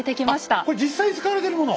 あっこれ実際に使われてるもの？